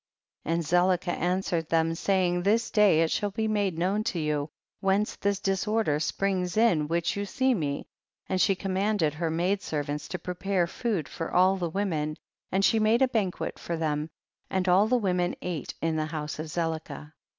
And Zelicah answered them, saying, this day it shall be made known to you, whence this disorder springs in which you see me, and she commanded her maid servants to prepare food for all the women, and she made a banquet for them, and all the women ate in the house of Zelicah.